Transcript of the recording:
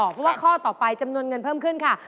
เพราะว่าข้อต่อไปจำนวนเงินเพิ่มขึ้นค่ะ